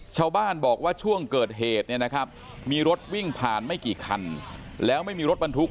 ชาวบ้านบอกว่าช่วงเกิดเหตุเนี่ยนะครับมีรถวิ่งผ่านไม่กี่คันแล้วไม่มีรถบรรทุก